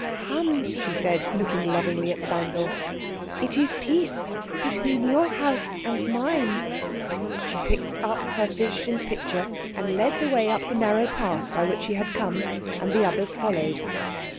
"Come," she said, looking lovingly at the bangle; "it is peace between your house and mine." She picked up her fish and pitcher and led the way up the narrow path by which she had come and the others followed.